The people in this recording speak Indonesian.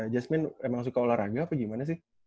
jasmine emang suka olahraga apa gimana sih